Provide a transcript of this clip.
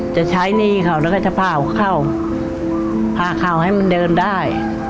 จะใช้หนี้เขาแล้วก็จะพาเขาเข้าพาเข้าให้มันเดินได้